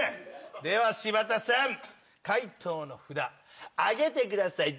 では柴田さん解答の札上げてください。